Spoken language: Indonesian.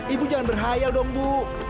ibu jangan berbahaya dong bu